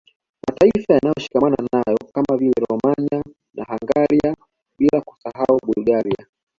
Mataifa yaliyoshikamana nayo kama vile Romania na Hungaria bila kusahau Bulgaria